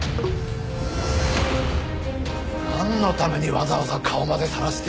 なんのためにわざわざ顔までさらして！